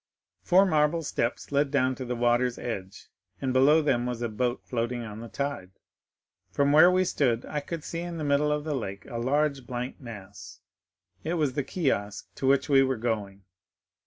Four marble steps led down to the water's edge, and below them was a boat floating on the tide. 40070m "From where we stood I could see in the middle of the lake a large blank mass; it was the kiosk to which we were going.